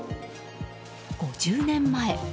５０年前。